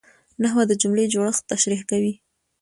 نحوه د جملې جوړښت تشریح کوي.